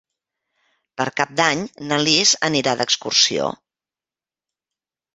Per Cap d'Any na Lis anirà d'excursió.